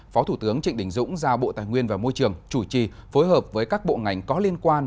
phó thủ tướng trịnh đình dũng giao bộ tài nguyên và môi trường chủ trì phối hợp với các bộ ngành có liên quan